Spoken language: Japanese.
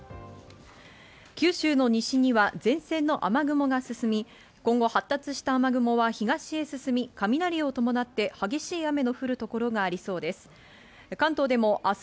九州の西には前線の雨雲が進み、今後発達した雨雲は東へ進み、雷を伴って激しい雨の降る所がありそうです。